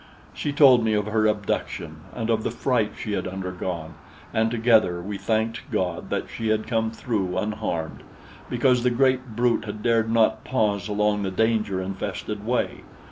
She told me of her abduction and of the fright she had undergone, and together we thanked God that she had come through unharmed, because the great brute had dared not pause along the danger infested way.